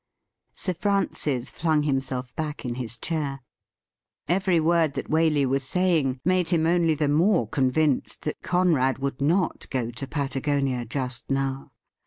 Sir Francis flung himself back in his chair. Every word ♦WHY SUMMON HIM?' 245 that Waley was saying made him only the more convinced that Conrad would not go to Patagonia just now.